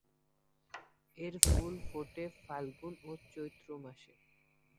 এর ফুল ফোটে ফাল্গুন ও চৈত্র মাসে।